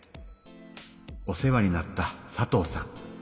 お世話になった佐藤さん。